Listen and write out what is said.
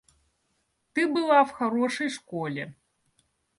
Ты была в хорошей школе.